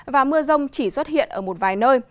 và mưa rông chỉ xuất hiện ở một vài nơi